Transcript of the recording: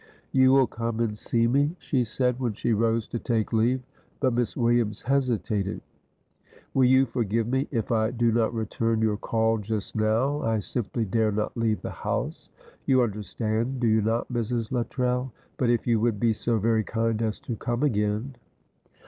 "You will come and see me," she said when she rose to take leave; but Miss Williams hesitated. "Will you forgive me if I do not return your call just now? I simply dare not leave the house. You understand, do you not, Mrs. Luttrell? but if you would be so very kind as to come again."